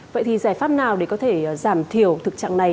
vậy thì giải pháp nào để có thể giảm thiểu thực trạng này